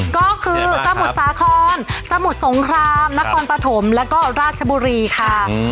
ก็คือสมุทรสาครสมุทรสงครามนครปฐมแล้วก็ราชบุรีค่ะ